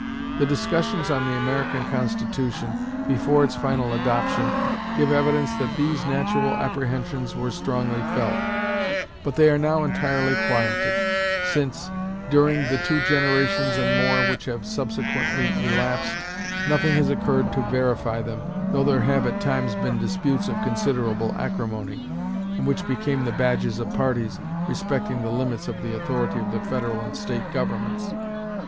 The discussions on the American Constitution, before its final adoption, give evidence that these natural apprehensions were strongly felt; but they are now entirely quieted, since, during the two generations and more which have subsequently elapsed, nothing has occurred to verify them, though there have at times been disputes of considerable acrimony, and which became the badges of parties, respecting the limits of the authority of the federal and state governments.